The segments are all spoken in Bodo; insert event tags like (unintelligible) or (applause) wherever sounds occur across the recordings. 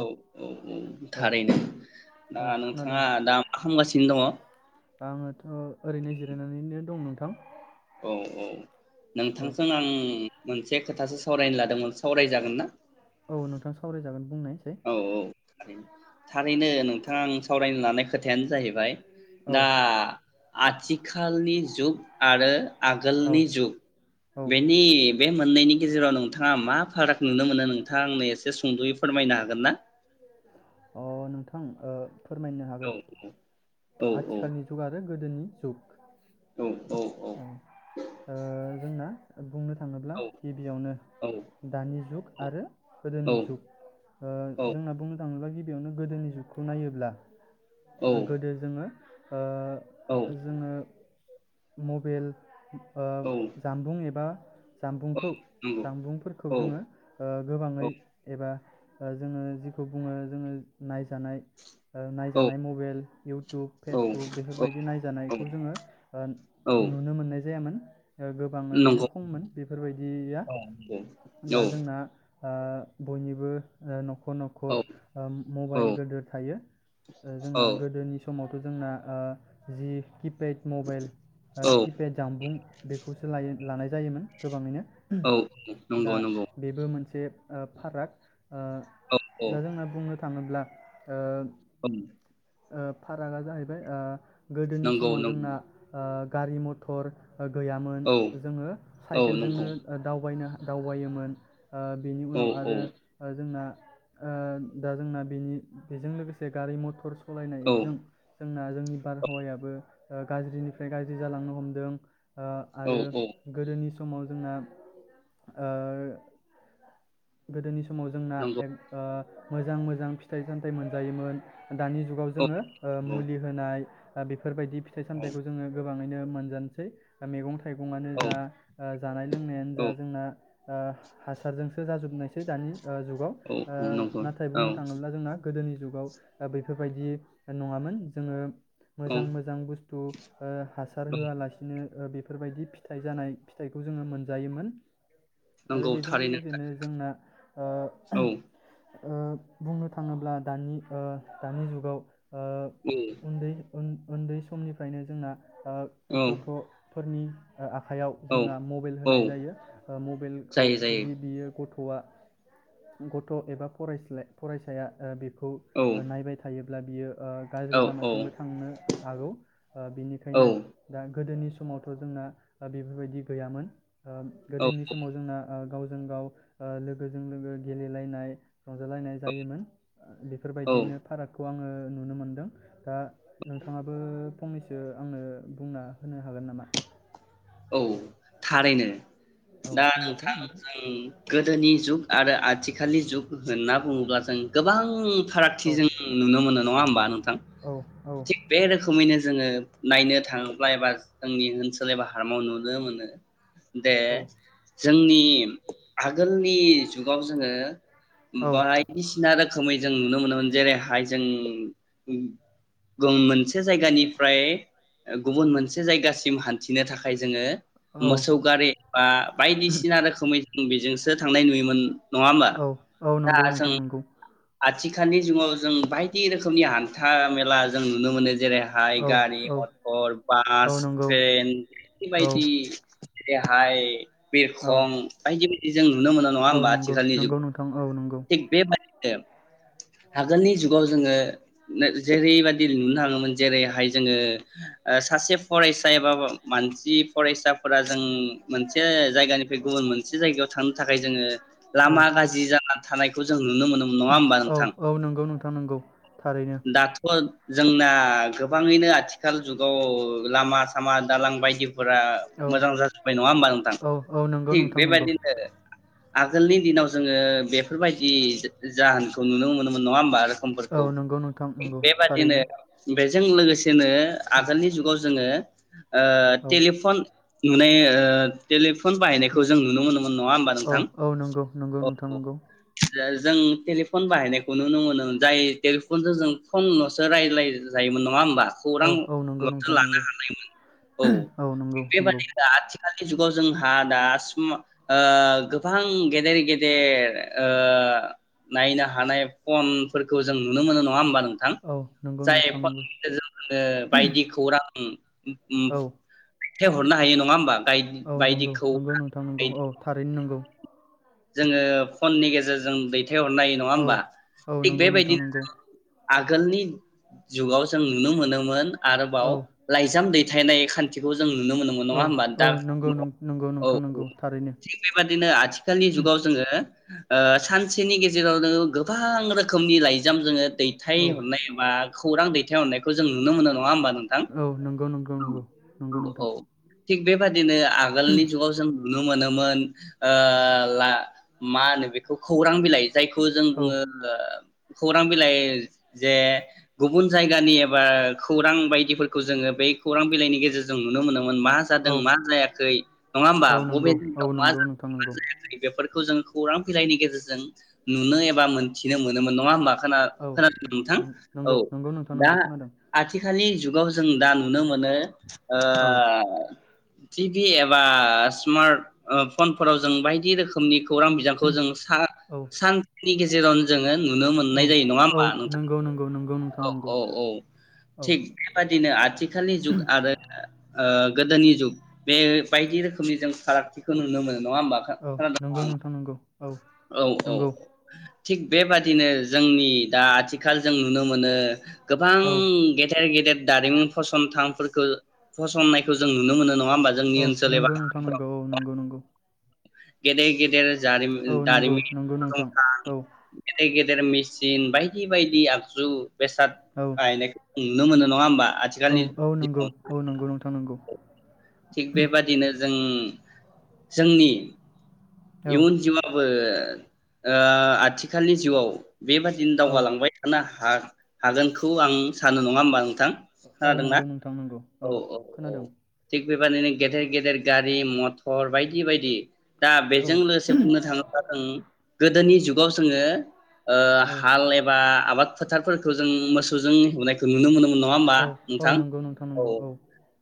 औ औ औ थारैनो दा औ खोनादों नोंथाङा दा मा खामगासिनो दङ? आङोथ' ओरैनो जिरायनानैनो नोंथां दं औ औ औ नोंथांजों आं मोनसे खोथासो सावरायनो लादोंमोन सावरायजागोन ना औ नोंथां सावरायजागोन बुंनायसाय औ औ थारैनो थारैनो नोंथां सावरायनो लानाय खोथायानो जाहैबाय औ दा आथि खालनि जुग आरो औ आगोलनि जुग औ बेनि बे मोननैनि गेजेराव नोंथाङा मा फाराग नुनो मोनो नोंथाङा आंनो एसे सुंदयै फोरमायना गोनना अ नोंथां ओ फोरमायनो औ हागोन औ औ आथिखालनि जुग आरो गोदोनि जुग औ औ ओ जोंना बुंनो थाङोब्ला औ गिबियावनो दानि जुग आरो गोदोनि जुग ओ औ जोंना बुंनो थांङोब्ला गिबियावनो गोदोनि जुगखौ नायोब्ला औ गोदो जोङो ओ औ जोङो मबेल ओ औ जानबुं एबा जामबुंखौ नंगौ जामबुंफोरखौ औ जोङो गोबाङै औ एबा जोङो जिखौ बुङो जोङो नायजानाय ओ औ नायजानाय मबेल इउटुब औ फेसबुक औ बेफोरबायदि नायजानायखौ जोङो ओ औ नुनो मोननाय जायामोन। ओ गोबांङैनो नंगौ खममोन बेफोरबायदिया नंगौ औ दा जोंना ओ बयनिबो नख नखर औ ओम मबाइल गोदोर थायो औ जोंना गोदोनि समाव (unintelligible) जोंना ओ जि किपेड मबेल ओ औ किपेड जामबुं बेखौसो लायो लानाय जायोमोन गोबाङैनो। औ नंगौ नंगौ जेब ओ फाराग ओ औ औ दा जोंना बुंनो थाङोब्ला ओ ओम ओ फारागा जाहैबाय ओ गोदोनि नंगौ समाव जोंना नंगौ ओ गारि मथर ओ गैयामोन औ जोङो औ नंगौ साइकेलजोंनो ओ दावबायनो हा दावबायोमोन। ओ बेनि औ उनाव आरो जोंना ओ दा जोंना बेनि बेजों लोगोसे गारि मथर औ सलायनायजों जोंना जोंनि बारहावायाबो ओ गाज्रिनिफ्राय गाज्रि जालांनो हमदों ओ औ आरो औ गोदोनि स समाव जोंना ओ गोदोनि स समाव जोंना नंगौ एक ओ मोजां मोजां फिथाइ सामथाइ मोनजायोमोन। दानि जुगाव औ जोङो ओ नंगौ मुलि होनाय दा बे बेफोरबायदि फिथाइ सामथाइखौ जोङो गोब बाङैनो मोनजानसै मेगं था थाइगंआनो औ जा ओ जानाय लोंनायानो औ जा जोंना ओ हासारजों सो जाजोबनायसो दानि ओ जुगाव ओ औ नंगौ नाथाय औ बुंनो थाङोब्ला जोंना गोदोनि जुगाव ओ बेफोरबायदि नङामोन जोङो औ मोजां मोजां बुस्थु ओ हासार औ होआलासिनो ओ बेफोरबायदि फिथाइ जानाय फिथाइखौ जोङो मोनजायोमोन। नंगौ थारैनो। बिदिनो जोंना ओ औ ओ बुंनो थाङोब्ला दानि ओ दानि जुगाव ओं। उन-उन्दै समनिफ्रायनो जोंना औ ओ गथ' फोरनि आखाइयाव औ जोंना मबाइेल औ होनाय जायो ओ मबाइेलखौ जायो जायो जुदि गथआ गथ एबा फरायस्ला फरायसाया ओ बे खौ औ ओ नायबाय थायो अब्ला बियो ओ गाज्रि औ औ लामाथिंबो थांनो हागौ ओ औ बेनिखायनो दा गोदोनि समावथ' जोंना ओ बेफोरबायदि गैयामोन। ओ औ गोदोनि समाव जोंना ओ गाव जों गाव ओ लोगोजों लोगो गेलेलायनाय। रंजालायनाय जायोमोन औ बेफोरबायदिनो फारागखौ आङो नुनो मोनदों दा नोंथाङाबो फंनैसो आंनो बुंना होनो हागोन नामा। औ थारैनो। औ दा बुंनायसाय नोंथां जों गोदोनि जुग आरो आथिखालनि जुग जोंना बुङोब्ला जों गोबां फारागथि औ जों नुनो मोनो नङा होमबा नोंथां औ थिग बे रोखोमैनो जोङो। नायनो थाङोब्ला एबा जोंनि ओनसोल एबा फार्माव नुनो मोनो दे औ जोंनि आगोलनि जुगाव जोङो बायदिसिना रोखोम खोमै जों नुनो मोनोमोन जेरैहाय जों गुं मोनसे जायगानिफ्राय गुबुन मोनसे जायगासिम हान्थिनो थाखाय थाखाय जोङो औ मोसौ गारि बा बायदिसिना रोखोमै उम बेजोंसो थांनाय नुयोमोन नङा होमबा औ औ दा नंगौ जों नोंथां नंगौ। आथिखालनि जुगाव जों बायदि रोखोमनि हान्था मेला जों नुनो मोनो जेरैहाय औ गारि, औ मटर, औ बास, नंगौ ट्रेन औ बेफोबायदि जेरैहाय औ बिरखं बायदि जों नुनो मोनो नङा औ होमबा नंगौ आथिखालनि नंगौ जुगाव? नोंथां औ नंगौ थिख बेबादिनो (inaudible) आगोलनि जुगाव जोङो जेरैबाददि नुनो हाङोमोन जेरैहाय जोङो सासे फरायसा एबा मानसि फरायसाफोरा जों मोनसे जायगानिफ्राय गुबुन मोनसे जायगायाव थांनो थाखाय जोङो औ लामा गाज्रि जानानै थानाय खौ‌ जों नुनो मोनो नङा होमबा औ नोंथां? औ नोंगौ नोंथां नोंगौ थारैनो। दाथ' जोंना गोबाङैनो आथिखाल जुगाव लामा सामा दालां बायदि फोरा औ मोजां जाजोब्बाय नङा होमबा नोंथां औ औ नंगौ थिग नोंथां नंगौ बेबायदिनो आगोलनि दिनाव जोङो बेफोर बायदि जाहोनखौ नुनो मोनो मोन नङा होनबा? समफोरखौ औ नंगौ नोंथां नंगौ बेबादिनो थारैनो बेजों लोगोसे नो आगोलनि जुगाव जोङो ओ औ टेलिफन नुनाय ओ टेलिप फन बाहायनायखौ जों नुनो मोनोमोन नङा होमबा औ नोंथां। औ नंगौ नंगौ नोंथां नंगौ जा जों टेलिफन बाहायनाय खौ नुनो मोनो जाय टेलिफन जों फनलसो रायज्लाय जायोमोन नङा होमबा। औ औ नंगौ खौरांलसो नोंथां लानो नंगौ हानायमोन। औ थि नंगौ नंगौ बेबादि दा आथि लि जुगाव जोंहा दासिम गोबां ओ गेदेर गेदेर ओ नायनो हानाय फनफोरखौ जों नुनो मोनो नङा होमबा नों नोंथां औ नंगौ जाय नोंथां नंगौ फननि गेजेरजों बायदि खौरां उम। उम औ थाय हरनो हायो नङा होमबा। औ नंगौ बायदिखौ नंगौ नोंथां नंगौ औ थारैनो नंगौ। जोङो फननि गेजेरजों बे दैथायहरनाय नङा औ होमबा औ थिग नंगौ नोंथां बेबायदिनो नंगौ जों आगोलनि जुगाव जों नुनो मोनोमोन। आरोबाव औ लाइजाम दै नाय खान्थिखौ जों जों नुनो मोनोन औ नङा होनबा औ दा न नंगौ नं- नंगौ औ नोंथां औ नंगौ थारैनो थिग बेबादिनो आथिखालनि जुगाव जोङो ओ सानसेनि गेजेरावनो गोबां रोखोमनि लाइजाम जोङो औ दैथायहरनाय बा खौरां दैथायहरनायखौ जों नुनोमोनो नङा होमबा नोंथां? औ नंगौ नंगौ औ नंगौ औ नंगौ नोंथां औ थिग बे बेबायदिनो आगोलनि जुगाव जों नुनो मोनोमोन ओ ला मा होनो बेखौ खौरां बिलाइ जायखौ जों औ बुङो खौरां बिलाइ जे गुबुन जायगानि एबा खौरां बायदिफोरखौ जोङो बै खौरां बिलाइनि गेजेरजों नुनो मोनो। मोन मा जादों औ मा जायाखै नङा होमबा औ बबे नंगौ जायगायाव औ मा नंगौ नोंथां जादों मा नंगौ जायाखै बेफोर जों खौरां बिलाइनि गेजेरजों नुनो एबा मोनथिनो मोनोमोन नङा होनबा औ खोनादों नोंथां नं- औ नंगौ नंगौ नोंथां दा नंगौ खोनादों आथिखालनि जुगाव जों दा नुनो मोनो मोनो औ ओ टिभि एबा स्मार्ट ओ फनफोराव जों बायदि रोखोमनि खौरां बिजोंखौ जों औ सा-सान नि गेजेरावनो जोङो नु नुनो औ मोननाय जायो नङा होन औ नंगौ नंगौ नंगौ नोंथां नंगौ औ। निनो आथि आथिखालनि जुग आरो ओ गोदोनि जुग बे बायदि रोखोमनि जों फारागथिखौ नुनो मोनो नङा होमबा खो औ खोनादों नंगौ आं नोंथां नंगौ औ औ औ औ नंगौ थिग बेबादिनो जोंनि दा आथिखाल जों नुनो मोनो गोबां औ गेदेर गेदेर दारिमिन फसंथानफोरखौ फसंनायखौ जों नुनो मोनो नङा होमबा जोंनि औ ओनसोल नंगौ एबा नोंथां नंगौ औ नंगौ नंगौ (unintelligible) गेदेर गेदेर जारि औ नंगौ दारिमिन नंगौ गेदेर नोंथां औ गेदर गेदेर मेसिन बायदि बायदि आगजु बेेसाद औ बाय नुनो मोन नङा होमबा औ आथिखालनि औ दिनाव। नंगौ औ नंगौ नोंथां नंगौ थिग बेबादिनो जों जोंनि इउन औ जिउआवबो ओ आथिखालनि जिउआव बेबादिनो औ दावगालांबाय थाना हा हागोनखौ आं सानो नङा होमबा नोंथां औ खोनादोंना? नंगौ नोंथां नंगौ औ खोनादों बेबायदिनो गेदेर गेदेर गारि मथर बायदि बायदि दा औ जों लोगोसे बुंनो थाङोब्ला जों गोदोनि जुगाव जोङो ओ औ हाल एबा आबाद फोथारफोरखौ जों मोसौजों हेवनायखौ नुनो मोनो नङा होमबा औ औ नोंथां नंगौ नोंथां औ नंगौ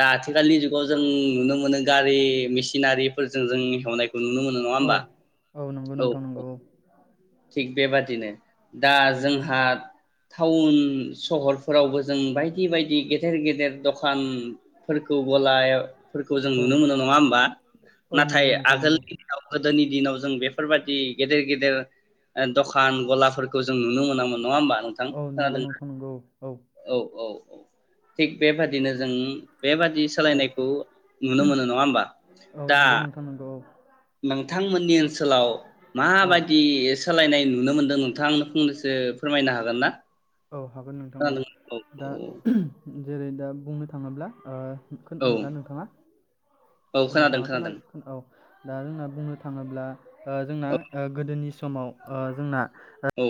दा आथिखालनि जुगाव जों नुनो मोनो गारि मेसिनारिफोरजों जों हेवनायखौ नुनो मोनो नङा औ होमबा नंगौ औ नोंथां औ नंगौ थिग बेबादिनो दा औ जोंहा टाउन सहरफोरावबो जों बायदि बायदि गेदेर गेदेर दखान फोरखौ गलाफोरखौ जों औ नुनो मोनो नङा होमबा? औ नंगौ नाथाय नोंथां नंगौ आगोलनि दिनाव गोदोनि दिनाव जों बेफोरबादि गेदेर गेदेर ओ दखान गला फोरखौ जों नुनो मोनामोन नङा होमबा नोंथां औ नंगौ खोनादों ना? नोंथां नंगौ औ औ थिग बेबादिनो जों बेबादि औ सोलायनायखौ नुनो मोनो नङा होमबा औ दा नंगौ नोंथां नंगौ नोंथांमोननि ओनसोलाव औ माबायदि सोलायनाय नुनो मोनदों नोंथां नो फंनैसो फोरमायनो हागोन ना? औ हागोन नोंथां औ दा जेरै दा बुंनो थाङोब्ला ओ औ खोनदोंना नोंथाङा? औ खोनादों नोंथाङा खोना खोनादों औ दा जोंना बुंनो थाङोब्ला जोंना औ गोदोनि समाव ओ जोंना औ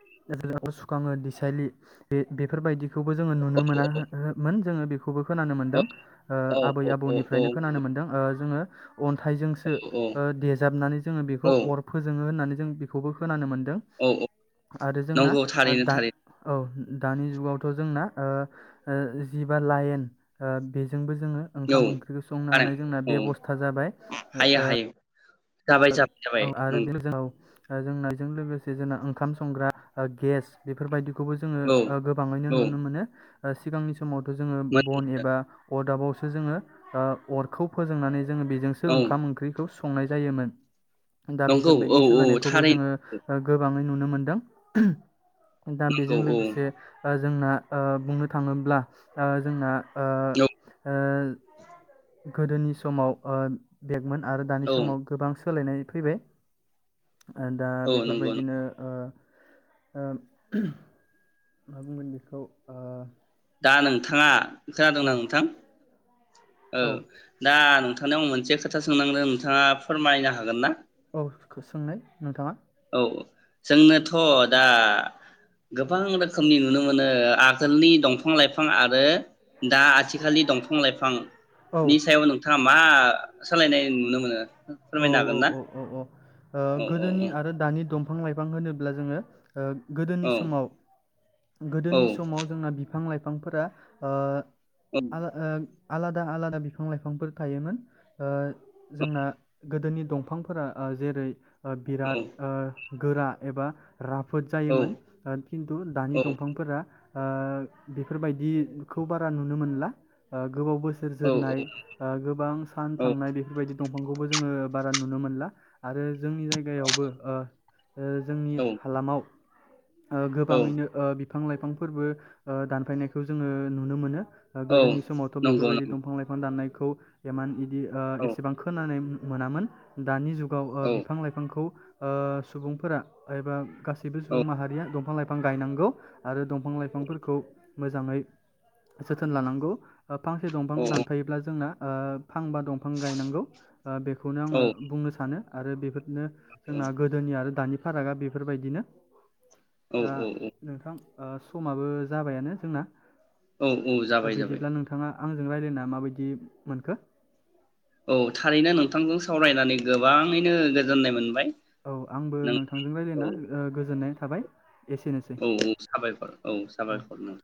(unintelligible) सुखाङो देसायलि बे बेफोरबायदि बेखौबो जोङो नुनो मोना हा हो मोनामोन जोङो बे खौबो खोनानो मोनदों ओ औ आबै औ औ आबौनिफ्रायनो खोनानो मोन्दों। जोङो अन्थाइजोंसो ओ देजाबनानै जोङो औ बेखौ अर फोजोङो होननानै जों बेखौबो खोनानो मोन दों औ आरो जोंना नंगौ ओ थारैनो दाद थारैनो औ औ दानि जुगावथ जोंना ओ ओ जिबा लायेन ओ जोंबो जोङो औ ओंखाम ओंख्रिखौ संनो थारै हानाय जोंना औ बेबस्था जाबाय ओ हायो ओ हायो जाबाय जाबाय जाबाय (unintelligible) ओ जोंनायजों लोगोसे जोंना ओंखाम संग्रा गेस बेफोरबायदि खौबो जोङो नंगौ गोबाङैनो औ नुनो मोनो। आ सिगां नि समावथ जोंङो बन एबा अरदाबाव सो जोंङो अर खौ फोजोंनानै जोंङो बेजोंसो औ ओंखाम ओंख्रिखौ सं संनाय जायोमोन। दा नंगौ औ बेफोरबायदि औ सोलायनायखौबो जोंङो थारैनो गोबाङै नुनो मोनदों। दा बेजों नंगौ औ लोगोसे जोंना ओ बुंनो थाङोब्ला ओ जोंना औ। गोदोनि समाव ओ बे आरो दानि औ समाव गोबां सोलायनाय फैबाय। दा औ नंगौ बेफोरबायदिनो ओ ओ। मा बुंगोन बेखौ ओ दा नोंथाङा खोनादों ना नोंथां? औ औ दा नोंथांनिआव मोनसे खोथा सोंनांगोन नोंथाङा फोरमायनो हागोन ना? औ सोंनाय नोंथाङा। जोंनाथ दा गोबां रोखोमनि नुनो मोनो आगोलनि दंफां लाइफां आरो दा आथिखालनि दंफां लाइफां। औ नि सायाव नोंथाङा मा सोलायनाय नुनो मोनो? औ फोरमायनो औ हागोन ना? औ औ औ औ गोदोनि आरो दानि दंफा। बिफां लाइफां होनोब्ला जोङो। ओ गोदोनि औ समाव गोदोनि समाव जोंना बि बिफां लाइफांफोरा ओ आ औ आ। आलादा आलादा बिफां लाइफांफोर थायोमोन ओ। जोंना। गोदोनि दंफांफोरा ओ जेरै। ओ बिराद ओ गोरा एबा राफोद औ जायोमोन ओ खिन्थु दानि दंफांफोरा ओ बेफोर बायदिखौ बारा नुनो मोनलाओ। गोबाव बोसोर औ जोरनाय ओ गोबां सान थांनाय बेफोरबायदि दंफांखौबो जोङो बारा नुनो मोनला आरो जोंनि जायगायावबो ओ जोंनि औ हालामाव। औ गोबाङैनो। बिफां लाइफांफोरबो दानफायनायखौ जोङो नुनो मोनो। औ गोदोनि समावथ नंगौ बेफोरबायदि नंगौ दंफां लाइफां दाननाय। खौ एमान इ। बिदि औ एसेबां खोना मोनामोन दानि जुग। औ बिफां लायफांखौ। सुबुंफोरा एबा। गासैबो औ सुबुं माहारिया दंफां लाइफ बिफां गायनांगौ आरो दंफां लाइफांफोरखौ मोजाङै जोथोन लानांगौ। फांसे दंफां औ दानफायोब्ला जोंना। ओ फां बा दंफां गायनांगौ ओ बेखौनो आङो औ बुंनो सानो। आरो बेफोरनो जोंना गोदोनि आरो दानि फारागा बेफोरबायदिनो। औ दा औ नोंथां। ओ समाबो जाबायानो जोंना। औ औ ओ जाबाय जाबाय। बिदिब्ला नोंथाङा आंजों रायलायना माबायदि मोनखो? औ थारैनो नोंथांजों सावरायनानै गोबाङैनो गोजोननाय मोनबाय। औ आंबो नों नोंथांजों औ रायलायना ओ गोजोननाय थाबाय। एसेनोसै औ औ साबायखर औ साबायखर नों